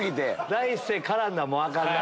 第一声絡んだらもうアカンな。